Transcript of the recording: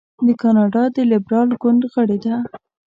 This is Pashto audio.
د کاناډا د لیبرال ګوند غړې ده.